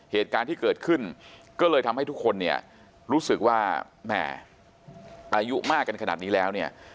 เหตุการณ์ที่เกิดขึ้นก็เลยทำให้ทุกคนเนี่ยรู้สึกว่าแหม่อายุมากกันขนาดนี้แล้วเนี่ย